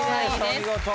お見事。